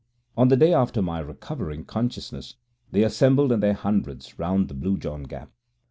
On the day after my recovering consciousness they assembled in their hundreds round the Blue John Gap.